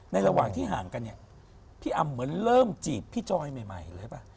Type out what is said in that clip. ระหว่างที่ห่างกันเนี่ยพี่อำเหมือนเริ่มจีบพี่จอยใหม่เลยป่ะ